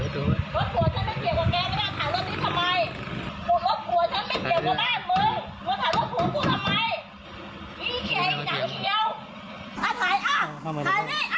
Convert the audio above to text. ดี